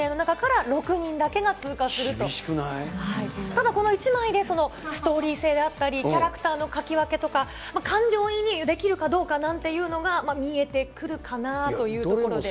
ただこの一枚で、ストーリー性であったり、キャラクターの描き分けとか、感情移入できるかどうかなんていうのが、見えてくるかなというところで。